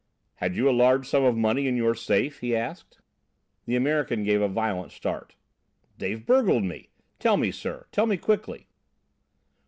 "Had you a large sum of money in your safe?" he asked. The American gave a violent start. "They've burgled me! Tell me, sir, tell me quickly!"